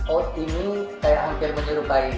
oh ini kayak hampir menyerupai